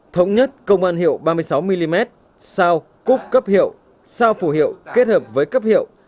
thống nhất công an hiệu ba mươi sáu mm sao cúc cấp hiệu sao phù hiệu kết hợp với cấp hiệu